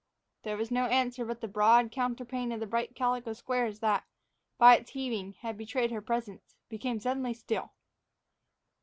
There was no answer, but the broad counterpane of bright calico squares that, by its heaving, had betrayed her presence, became suddenly still.